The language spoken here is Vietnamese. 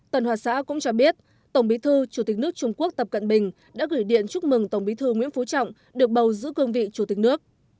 tân hoa xã cũng cho biết tổng bí thư chủ tịch nước trung quốc tập cận bình đã gửi điện chúc mừng tổng bí thư nguyễn phú trọng được bầu giữ cương vị chủ tịch nước